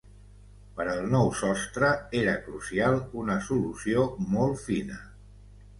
Per al nou sostre, era crucial una solució molt fina.